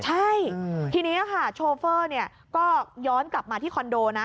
ใช่ทีนี้ค่ะโชเฟอร์ก็ย้อนกลับมาที่คอนโดนะ